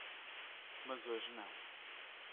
Mas hoje não.